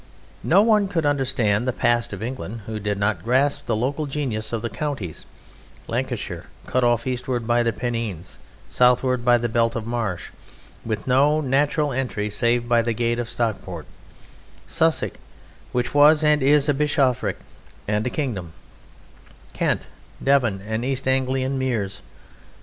No one could understand the past of England who did not grasp the local genius of the counties Lancashire, cut off eastward by the Pennines, southward by the belt of marsh, with no natural entry save by the gate of Stockport; Sussex, which was and is a bishopric and a kingdom; Kent, Devon, the East Anglian meres.